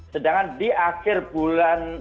sedangkan di akhir bulan